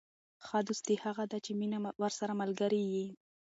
ښه دوستي هغه ده، چي مینه ورسره ملګرې يي.